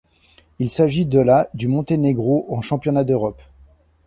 Il s'agit de la du Monténégro aux Championnats d'Europe.